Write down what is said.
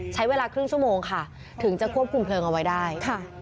ใช้เวลาครึ่งชั่วโมงค่ะถึงจะควบคุมเพลิงเอาไว้ได้